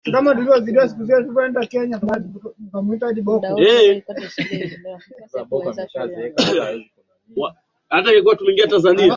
ushindani wa Marekani na nchi za ukomunisti Marekani iliingia